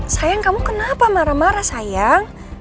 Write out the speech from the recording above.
sayang kamu kenapa marah marah sayang